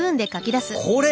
これ！